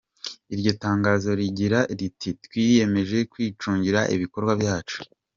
Iryo tangazo rigira riti "Twiyemeje kwicungira ibikorwa byacu.